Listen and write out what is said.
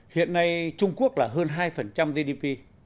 hiện nay trung quốc là hơn hai gdp